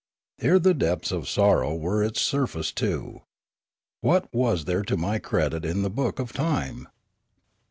Here the depths of sorrow were its surface too. What was there to my credit in the book of time